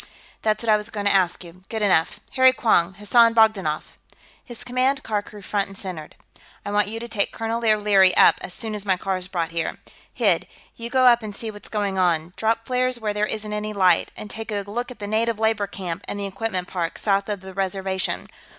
"That's what I was going to ask you. Good enough. Harry Quong, Hassan Bogdanoff!" His command car crew front and centered. "I want you to take Colonel O'Leary up, as soon as my car's brought here.... Hid, you go up and see what's going on. Drop flares where there isn't any light. And take a look at the native labor camp and the equipment park, south of the reservation....